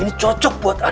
ini cocok buat adik aku